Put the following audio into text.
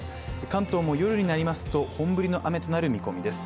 関東も夜になりますと本降りの雨になる見込みです。